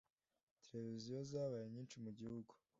Televiziyo zabaye nyinshi mugihugu